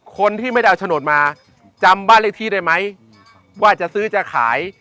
คนที่ไม่ได้เอาโฉนดมาจำบ้านเลขที่ได้ไหมว่าจะซื้อจะขาย